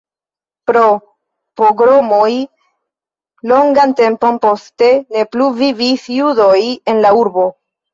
Pro pogromoj longan tempon poste ne plu vivis judoj en la urbo.